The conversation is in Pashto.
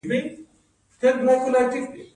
د زیتون ونه ډیر عمر کوي